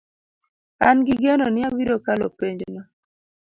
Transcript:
An gi geno ni abiro kalo penj no